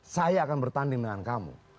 saya akan bertanding dengan kamu